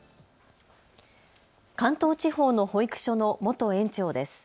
関東地方の保育所の元園長です。